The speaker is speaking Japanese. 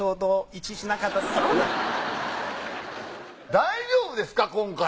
大丈夫ですか今回。